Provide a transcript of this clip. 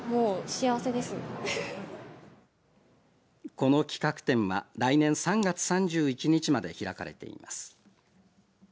この企画展は来年３月３１日まで開かれています。